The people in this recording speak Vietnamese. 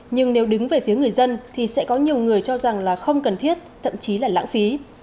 nhưng nếu đứng về phía người dân thì sẽ có nhiều người cho rằng là không cần thiết thậm chí là lãng phí